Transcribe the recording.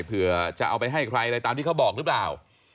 เผื่อจะเอาไปให้ใครอะไรตามที่เขาบอกหรือเปล่า